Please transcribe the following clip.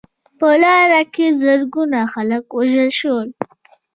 په لاره کې زرګونه خلک ووژل شول.